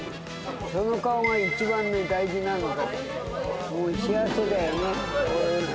その顔が一番大事なんだ。